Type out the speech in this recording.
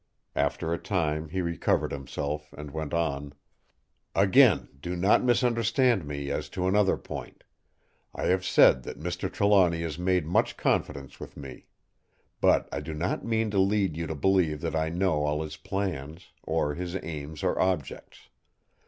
After a time he recovered himself and went on: "Again, do not misunderstand me as to another point. I have said that Mr. Trelawny has made much confidence with me; but I do not mean to lead you to believe that I know all his plans, or his aims or objects.